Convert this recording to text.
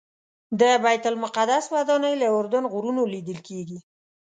د بیت المقدس ودانۍ له اردن غرونو لیدل کېږي.